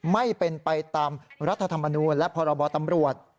ไม่เป็นไปตามรัฐธรรมนูลและพรบตำรวจ